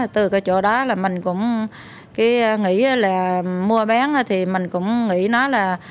từ cái chỗ đó là mình cũng cứ nghĩ là mua bán thì mình cũng nghĩ nó là